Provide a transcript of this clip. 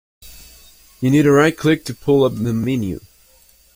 You need to right click to pull up the menu.